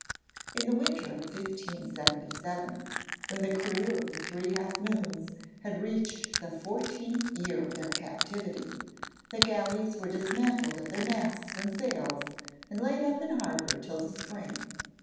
In the winter of 1577, when the crew of the 'Three Half Moons' had reached the fourteenth year of their captivity, the galleys were dismantled of their masts and sails, and laid up in harbour till the spring.